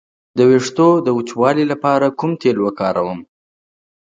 د ویښتو د وچوالي لپاره کوم تېل وکاروم؟